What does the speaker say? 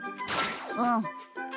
うん。